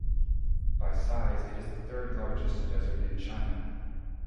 By size it is the third largest desert in China.